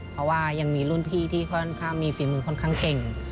เพราะว่ายังมีรุ่นพี่ที่ค่อนข้างมีฝีมือค่อนข้างเก่ง